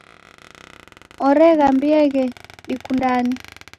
Oreghambieghe dikundane.